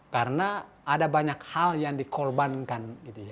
karena ada banyak hal yang dikorbankan